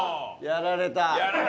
やられた！